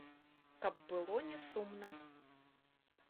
Каб было не сумна.